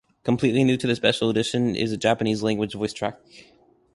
Completely new to the Special Edition is a Japanese language voice track.